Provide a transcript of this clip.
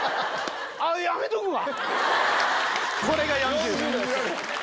「やめとくわ」。